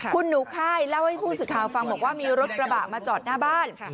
คุณหนูค่ายเล่าให้ผู้สื่อข่าวฟังบอกว่ามีรถกระบะมาจอดหน้าบ้าน